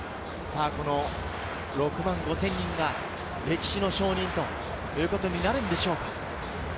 ６万５０００人が歴史の証人ということになるのでしょうか。